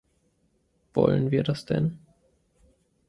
Wollen wir das denn?